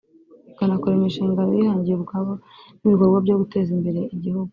ikanakora imishinga bihangiye ubwabo n’ibikorwa byo guteza imbere igihugu